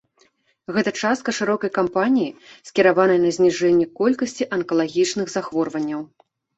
Гэта частка шырокай кампаніі, скіраванай на зніжэнне колькасці анкалагічных захворванняў.